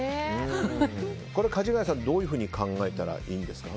かじがやさん、どういうふうに考えたらいいですか？